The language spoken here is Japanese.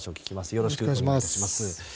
よろしくお願いします。